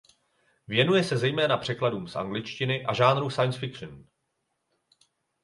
Věnuje se zejména překladům z angličtiny a žánru science fiction.